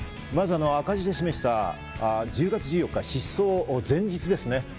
まず赤字で示した１０月１４日、そう、前日ですね。